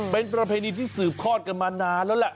เป็นประเพณีที่สืบทอดกันมานานแล้วแหละ